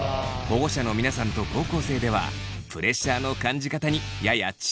保護者の皆さんと高校生ではプレッシャーの感じ方にやや違いがあるようです。